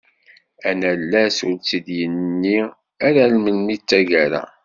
Anallas ur tt-id-yenni ara almi d tagara.